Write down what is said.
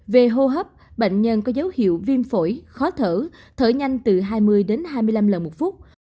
về hô hấp bệnh nhân có dấu hiệu viêm phổi khó thở thở nhanh từ hai mươi đến hai mươi năm lần một phút